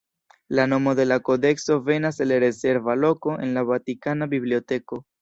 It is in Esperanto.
La nomo de la kodekso venas el rezerva loko en la Vatikana biblioteko.